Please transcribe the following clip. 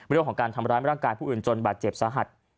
แล้วก็ร่วมกันทำร้ายร่างกายผู้อื่นจนบาดเจ็บสาหัส